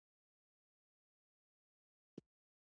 مک وویل، ایټوره ته بیخي ستر سړی یې، خو زه ستا پر نظامیتوب بیریږم.